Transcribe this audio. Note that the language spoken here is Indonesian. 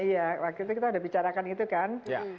iya waktu itu kita udah bicarakan itu kan